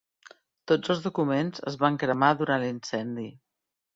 Tots els documents es van cremar durant l'incendi.